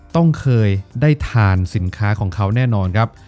ต้องเคยได้ทานสินค้าของเขาแน่นอนครับ